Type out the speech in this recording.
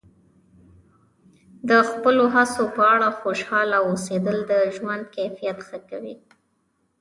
د خپلو هڅو په اړه خوشحاله اوسیدل د ژوند کیفیت ښه کوي.